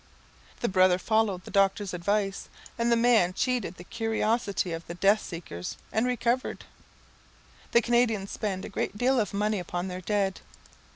The brother followed the doctor's advice, and the man cheated the curiosity of the death seekers, and recovered. The Canadians spend a great deal of money upon their dead.